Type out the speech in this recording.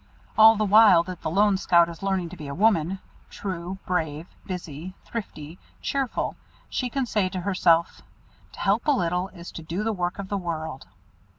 All the while that the "lone scout" is learning to be a woman true, brave, busy, thrifty, cheerful, she can say to herself: "To help a little is to do the work of the world."